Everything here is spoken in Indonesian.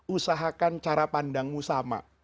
usahakan cara pandangmu sama